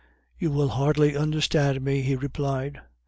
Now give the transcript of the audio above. "You will hardly understand me," he replied.